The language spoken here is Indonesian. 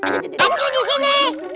akyu di sini